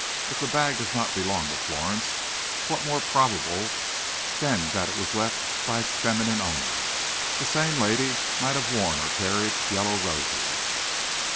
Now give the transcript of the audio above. "If the bag does not belong to Florence, what more probable than that it was left by its feminine owner? The same lady might have worn or carried yellow roses."